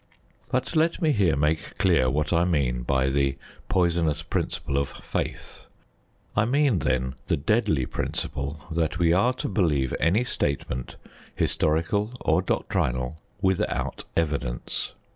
But let me here make clear what I mean by the poisonous principle of "faith." I mean, then, the deadly principle that we are to believe any statement, historical or doctrinal, without evidence.